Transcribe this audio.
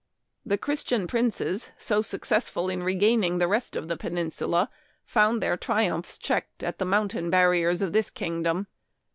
The Christian princes, so successful in regaining the rest of the peninsula, found their triumphs checked at the mountain barriers of this kingdom.